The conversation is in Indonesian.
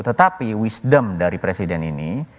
tetapi wisdom dari presiden ini